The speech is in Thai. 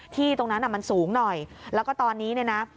ตรงนั้นมันสูงหน่อยแล้วก็ตอนนี้เนี่ยนะ